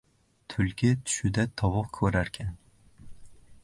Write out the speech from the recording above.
• Tulki tushida tovuq ko‘rarkan.